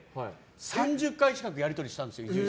３０回近くやり取りしたんですよ。